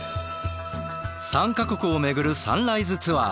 ３か国を巡るサンライズツアー。